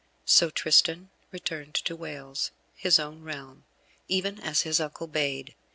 So Tristan returned to Wales, his own realm, even as his uncle bade.